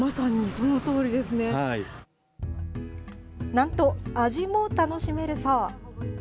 なんと、味も楽しめるそう。